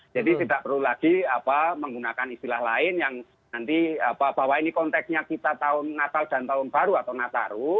jadi tidak perlu lagi apa menggunakan istilah lain yang nanti bahwa ini konteksnya kita tahun natal dan tahun baru atau nataru